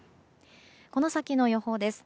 この先の予報です。